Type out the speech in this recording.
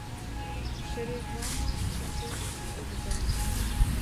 Шеревамак кучен огыдал?